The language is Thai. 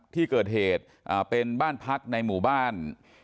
ที่เกิดเหตุเป็นบ้านพักในหมู่บ้าน